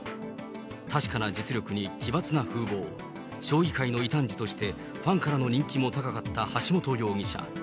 確かな実力に奇抜な風ぼう、将棋界の異端児として、ファンからの人気も高かった橋本容疑者。